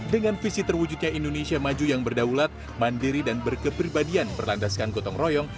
dengan visi terwujudnya indonesia maju yang berdaulat mandiri dan berkepribadian berlandaskan gotong royong